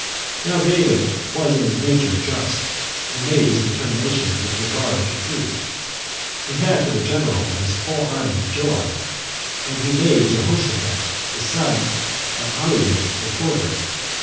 Now David was in his nature just, and made his determination with regard to truth. He had for the general of his whole army Joab; and he made Jehoshaphat, the son of Ahilud, recorder.